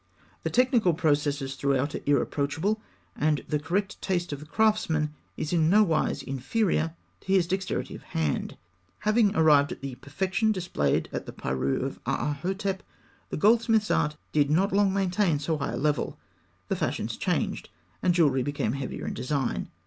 The technical processes throughout are irreproachable, and the correct taste of the craftsman is in no wise inferior to his dexterity of hand. Having arrived at the perfection displayed in the parure of Aahhotep, the goldsmith's art did not long maintain so high a level. The fashions changed, and jewellery became heavier in design.